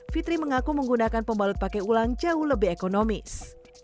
fitri mengaku menggunakan pembalut pakai ulang jauh lebih ekonomis